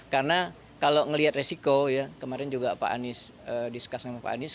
karena kalau melihat resiko ya kemarin juga pak anies discuss sama pak anies